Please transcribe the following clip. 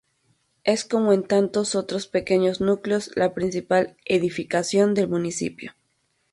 Es como en tantos otros pequeños núcleos la principal edificación del municipio.